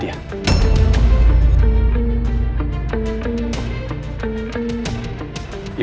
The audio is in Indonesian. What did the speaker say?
dia udah nikmatin